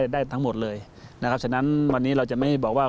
ได้ทั้งหมดเลยนะครับฉะนั้นวันนี้เราจะไม่บอกว่า